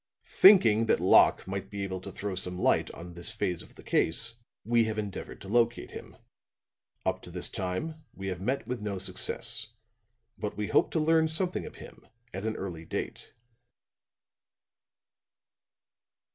"'Thinking that Locke might be able to throw some light on this phase of the case, we have endeavored to locate him. Up to this time we have met with no success; but we hope to learn something of him at an early date.'"